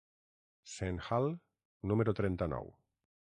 «Senhal», número trenta-nou.